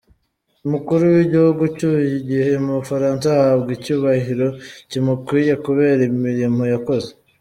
Umukuru w’igihugu ucyuye igihe mu Bufaransa ahabwa icyubahiro kimukwiye, kubera imirimo yakoze.